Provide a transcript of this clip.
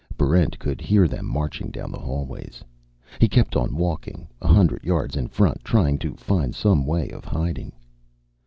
Barrent could hear them marching down the hallways. He kept on walking, a hundred yards in front, trying to find some way of hiding.